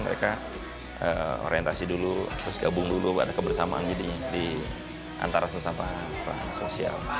nah orientasi dulu terus gabung dulu ada kebersamaan jadi di antara sesama sama sosial